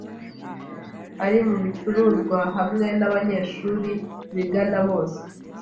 Ari mubicuruzwa hamwe nabanyeshuri bigana bose.